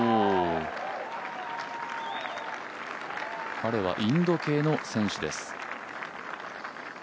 彼はインド系の選手です。